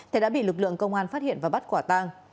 thì đã bị lực lượng công an phát hiện và bắt quả tang